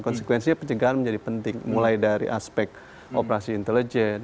konsekuensinya pencegahan menjadi penting mulai dari aspek operasi intelijen